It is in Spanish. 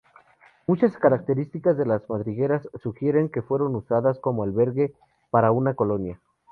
Muchas características de las madrigueras sugieren que fueron usadas como albergue para una colonia.